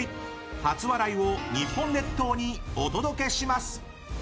初笑いを日本列島にお届けします！